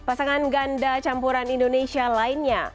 pasangan ganda campuran indonesia lainnya